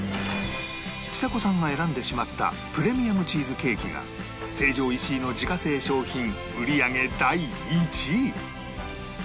ちさ子さんが選んでしまったプレミアムチーズケーキが成城石井の自家製商品売り上げ第１位